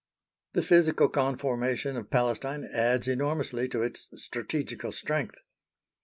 The physical conformation of Palestine adds enormously to its strategical strength.